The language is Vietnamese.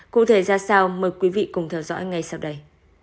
cụ thể ra sao mời quý vị cùng theo dõi ngay sau đây